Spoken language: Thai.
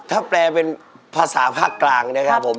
ถ้าแปลเป็นภาษาภาคกลางนะครับผม